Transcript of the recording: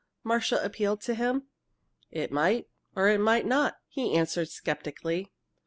Marcia appealed to him. "It might or it might not," he answered skeptically.